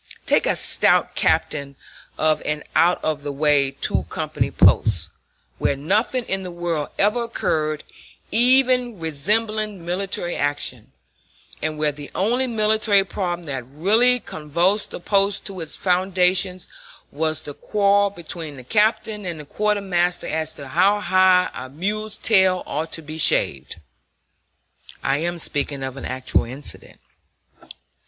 Take a stout captain of an out of the way two company post, where nothing in the world ever occurred even resembling military action, and where the only military problem that really convulsed the post to its foundations was the quarrel between the captain and the quartermaster as to how high a mule's tail ought to be shaved (I am speaking of an actual incident).